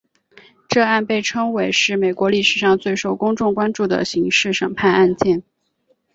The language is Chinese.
该案被称为是美国历史上最受公众关注的刑事审判案件。